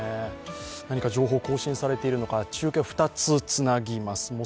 何か情報が更新されているのか、中継を２つ、つなぎます。